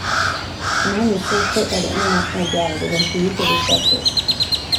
The mine was first hit by the international drive against the use of asbestos.